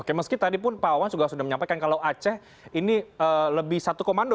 oke meski tadi pun pak wawan juga sudah menyampaikan kalau aceh ini lebih satu komando